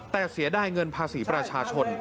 แต่เสียดายเงินภาษีประชาชน